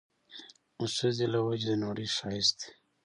ښځې له وجه د نړۍ ښايست دی